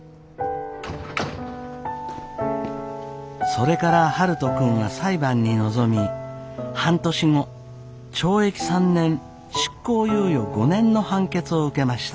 それから悠人君は裁判に臨み半年後懲役３年執行猶予５年の判決を受けました。